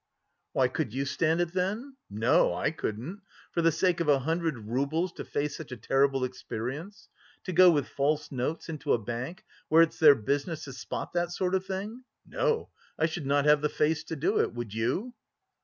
"Why, could you stand it then? No, I couldn't. For the sake of a hundred roubles to face such a terrible experience? To go with false notes into a bank where it's their business to spot that sort of thing! No, I should not have the face to do it. Would you?"